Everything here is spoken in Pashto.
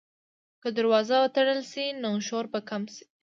که دروازه وتړل شي، نو شور به کم شي.